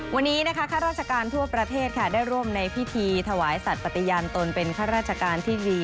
วันนี้นะคะข้าราชการทั่วประเทศค่ะได้ร่วมในพิธีถวายสัตว์ปฏิญาณตนเป็นข้าราชการที่ดี